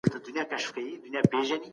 او ستمیانو ته داسي